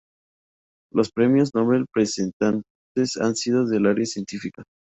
Los premio nobel presentes han sido del área científica.